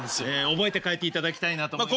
覚えて帰っていただきたいなと思います。